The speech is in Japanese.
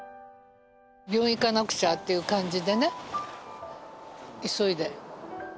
行かなくちゃっていう感じでね急いで。